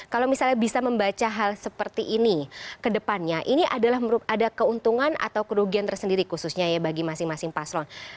kalau misalnya bisa membaca hal seperti ini ke depannya ini adalah ada keuntungan atau kerugian tersendiri khususnya ya bagi masing masing paslon